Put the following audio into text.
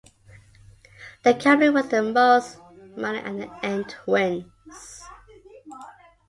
The company with the most money at the end wins.